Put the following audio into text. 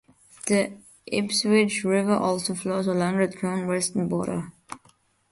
The Ipswich River also flows along the town's western border.